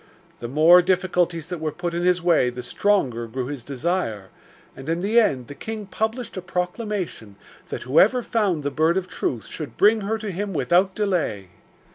The more difficulties that were put in his way the stronger grew his desire, and in the end the king published a proclamation that whoever found the Bird of Truth should bring her to him without delay.